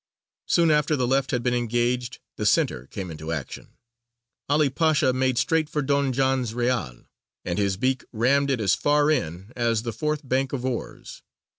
Soon after the left had been engaged, the centre came into action. 'Ali Pasha made straight for Don John's Reale, and his beak rammed it as far in as the fourth bank of oars.